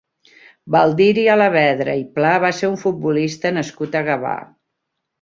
Baldiri Alavedra i Pla va ser un futbolista nascut a Gavà.